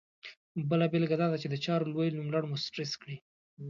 بله بېلګه دا ده چې د چارو لوی نوملړ مو سټرس کړي.